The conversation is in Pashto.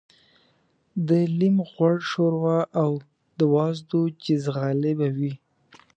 د لېم غوړ شوروا او د وازدو جیزغالي به وې.